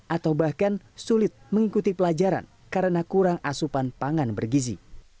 atau bahkan sulit mengikuti pelajaran karena kurang asupan pangan bergizi